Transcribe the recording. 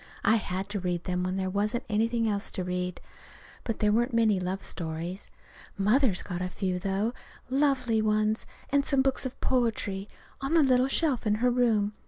I had to read them when there wasn't anything else to read. But there weren't many love stories. Mother's got a few, though lovely ones and some books of poetry, on the little shelf in her room.